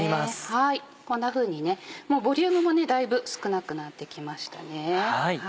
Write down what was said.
こんなふうにねもうボリュームもだいぶ少なくなってきましたね。